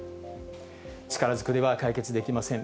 力づくでは解決できません。